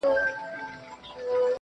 نور دي نو شېخاني كيسې نه كوي.